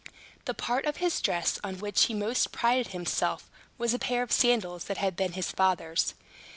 The part of his dress on which he most prided himself was a pair of sandals, that had been his father's.